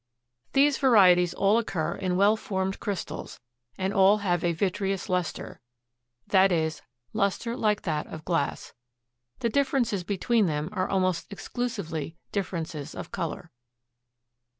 These varieties all occur in well formed crystals, and all have a vitreous luster, i. e., luster like that of glass. The differences between them are almost exclusively differences of color.